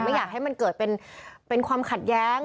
ไม่อยากให้มันเกิดเป็นความขัดแย้ง